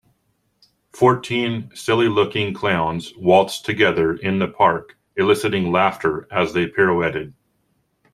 Fourteen silly looking clowns waltzed together in the park eliciting laughter as they pirouetted.